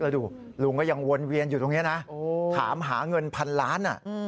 แล้วดูลุงก็ยังวนเวียนอยู่ตรงนี้นะถามหาเงินพันล้าน